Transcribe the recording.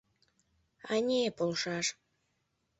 — Ане, полшаш...